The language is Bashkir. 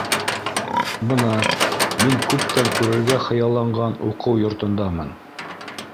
Бына, мин күптән күрергә хыялланған уҡыу йортондамын.